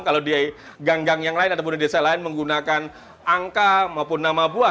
kalau di gang gang yang lain ataupun di desa lain menggunakan angka maupun nama buah